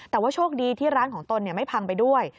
แต่ว่าโชคดีที่ร้านของตนไม่พังไปด้วย